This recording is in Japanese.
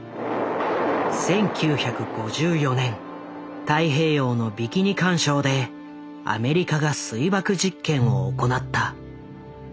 １９５４年太平洋のビキニ環礁でアメリカが水爆実験を行った。